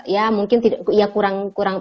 ya mungkin kurang